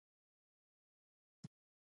ته بل ښار ته لاړې